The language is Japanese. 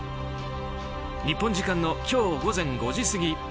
日本時間の今日午前５時過ぎ